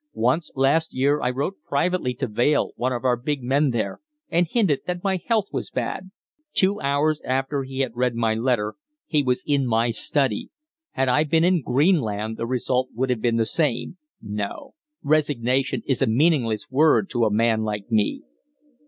Once last year I wrote privately to Vale, one of our big men there, and hinted that my health was bad. Two hours after he had read my letter he was in my study. Had I been in Greenland the result would have been the same. No. Resignation is a meaningless word to a man like me."